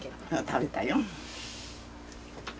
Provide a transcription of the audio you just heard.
食べたよ。